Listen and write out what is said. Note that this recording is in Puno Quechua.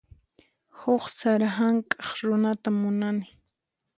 Huk sara hank'aq runata munani.